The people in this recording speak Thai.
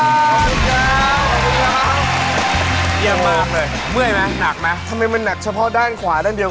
ยังแรงเลยเมื่อยไหมหนักไหมทำไมมันหนักเฉพาะด้านขวาด้านเดียว